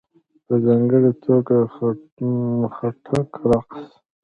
په ځانګړې توګه ..خټک رقص..